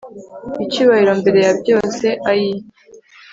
icyubahiro mbere ya byose, ayii